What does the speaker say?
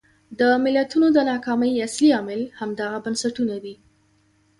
د ملتونو د ناکامۍ اصلي عامل همدغه بنسټونه دي.